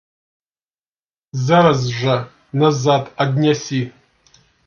Зараз жа назад аднясі!